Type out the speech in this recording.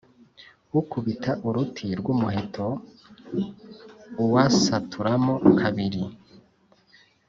ukibita uruti rwumuheto uwasaturamo kabiri